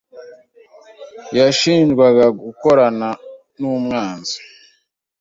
yashinjwaga gukorana n’umwanzi.